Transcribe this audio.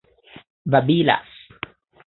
babilas